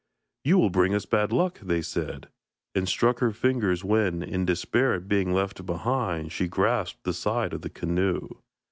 'You will bring us bad luck,' they said, and struck her fingers when, in despair at being left behind, she grasped the side of the canoe.